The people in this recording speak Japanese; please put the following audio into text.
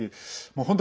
本当